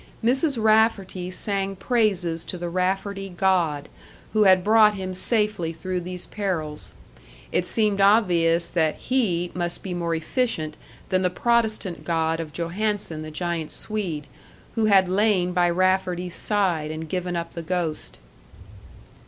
Mrs. Rafferty sang praises to the Rafferty God, who had brought him safely through these perils; it seemed obvious that He must be more efficient than the Protestant God of Johannson, the giant Swede, who had lain by Rafferty's side and given up the ghost.